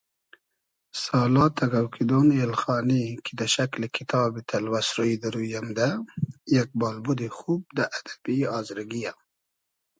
سالا تئکۆ کیدۉن اېلخانی کی دۂ شئکلی کیتابی تئلوئس روی دۂ روی امدۂ، یئگ بالبودی خوب دۂ ادئبی آزرگی یۂ